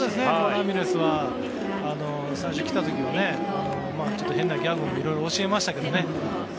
ラミレスが最初、来た時はちょっと変なギャグもいろいろ教えましたけどね。